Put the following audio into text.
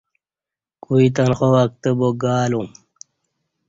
کوئی تنخوا وکتہ با گالوم